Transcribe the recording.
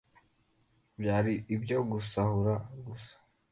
byari ibyo gusahura gusa